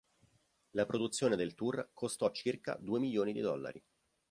La produzione del tour costò circa due milioni di dollari.